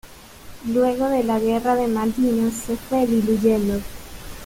Luego de la guerra de Malvinas se fue diluyendo.